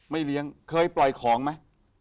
เลี้ยงเคยปล่อยของไหม